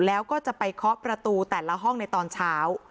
แล้วก็จะไปเคาะประตูแต่ละห้องในตอนเช้า